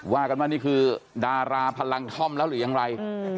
ว่ากันว่านี่คือดาราพลังท่อมแล้วหรือยังไร